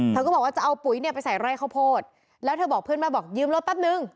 เธอก็บอกว่าจะเอาปุ๋ยเนี่ยไปใส่ไร่ข้าวโพดแล้วเธอบอกเพื่อนบ้านบอกยืมรถแป๊บนึง